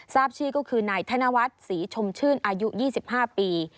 ทราบชื่อก็คือนายธนวัฒน์ศรีชมชื่นอายุ๒๕ปี